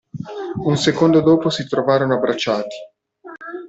Un secondo dopo si trovarono abbracciati.